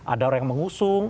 ada orang yang mengusung